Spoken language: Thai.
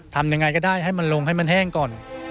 ทำยังไงก็ได้ให้มันลงให้มันแห้งก่อน